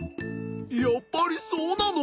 やっぱりそうなの？